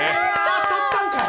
当たったんかい！